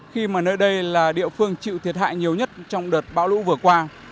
khi mà nơi đây là địa phương chịu thiệt hại nhiều nhất trong đợt bão lũ vừa qua